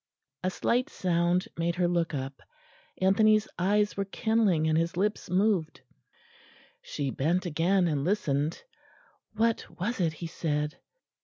'" A slight sound made her look up. Anthony's eyes were kindling and his lips moved; she bent again and listened.... What was it he said?...